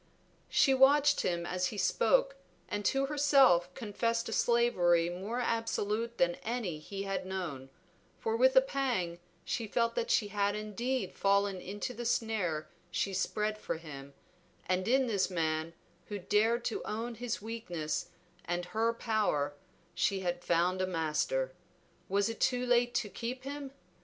She watched him as he spoke, and to herself confessed a slavery more absolute than any he had known, for with a pang she felt that she had indeed fallen into the snare she spread for him, and in this man, who dared to own his weakness and her power, she had found a master. Was it too late to keep him?